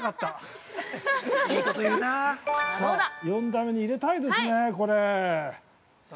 ◆４打目に入れたいですね、これ。